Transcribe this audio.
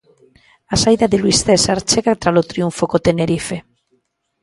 A saída de Luís Cesar chega tralo triunfo co Tenerife.